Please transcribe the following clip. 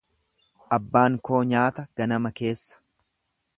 Abbaan koo nyaata ganama keessa.